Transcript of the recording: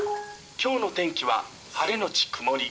今日の天気は晴れのち曇り。